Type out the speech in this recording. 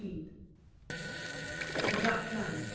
] THE BLACK LAMB.